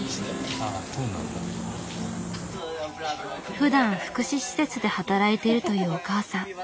ふだん福祉施設で働いてるというお母さん。